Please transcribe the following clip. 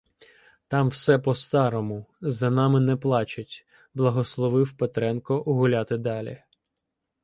Там все по-старому, за нами не плачуть, — благословив Петренко гуляти далі.